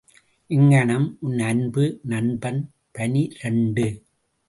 இங்ஙனம், உன் அன்பு நண்பன் பனிரண்டு .